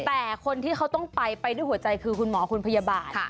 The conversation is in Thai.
แต่คนที่เขาต้องไปไปด้วยหัวใจคือคุณหมอคุณพยาบาล